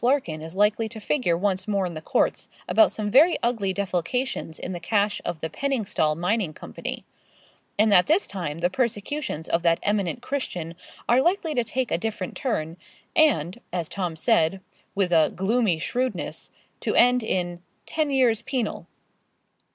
Larkin is likely to figure once more in the courts about some very ugly defalcations in the cash of the Penningstal Mining Company, and that this time the persecutions of that eminent Christian are likely to take a different turn, and, as Tom said, with a gloomy shrewdness, to end in 'ten years penal.'